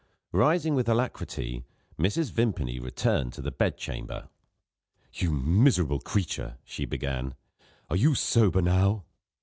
Rising with alacrity, Mrs. Vimpany returned to the bed chamber. "You miserable creature," she began, "are you sober now?"